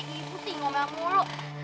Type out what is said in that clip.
ibu sih ngomel mulu